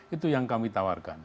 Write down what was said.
itu yang kami tawarkan